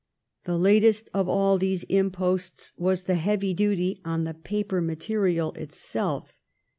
The latest of all these imposts was the heavy duty on the paper material itself.